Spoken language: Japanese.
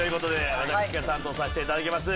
私が担当させていただきます。